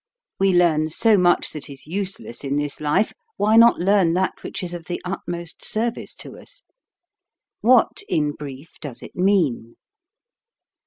We learn so much that is useless in this life, why not learn that which is of the utmost service to us ? What, in brief, does it mean?